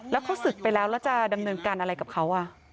แล้วเขาศึกไปแล้วแล้วจะดำเนินการอะไรกับเขา